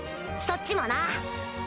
そっちもな！